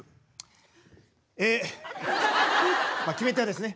え決め手はですね